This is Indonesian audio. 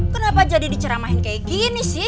kenapa jadi diceramahin kayak gini sih